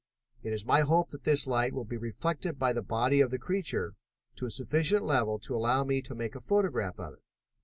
It is my hope that this light will be reflected by the body of the creature to a sufficient to allow me to make a photograph of it."